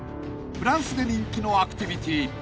［フランスで人気のアクティビティ］